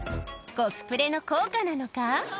コスプレの効果なのか。